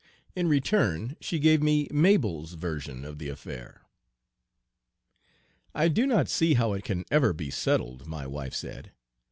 In return she gave me Mabel's version of the affair. "I do not see how it can ever be settled," my wife said.